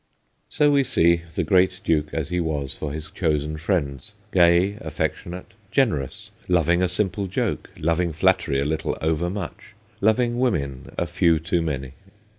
So we see the great Duke as he was for his chosen friends, gay, affectionate, gener ous, loving a simple joke, loving flattery a little overmuch, loving women a few too many.